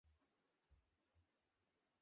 তিনি আরবী ভাষাও পারদর্শী হয়ে উঠেন।